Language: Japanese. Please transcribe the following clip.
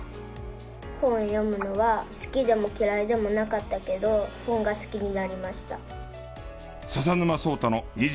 本を読むのは好きでも嫌いでもなかったけど本が好きになりました。